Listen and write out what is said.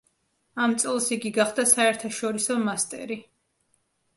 ამ წელს იგი გახდა საერთაშორისო მასტერი.